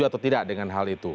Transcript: atau tidak dengan hal itu